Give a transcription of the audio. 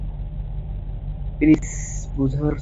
Please, বুঝার চেষ্টা করুন।